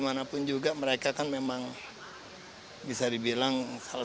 sama sekali mereka sudah memainkan madison dan moe bleibt